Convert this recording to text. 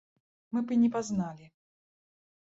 Мы б і не пазналі!